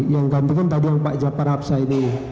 yang ganti kan tadi yang pak jafar hapsa ini